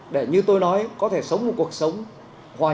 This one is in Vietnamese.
để như tôi nói có thể sống một cuộc sống hoàn hảo